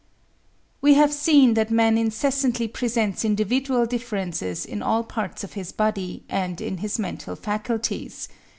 We have seen that man incessantly presents individual differences in all parts of his body and in his mental faculties.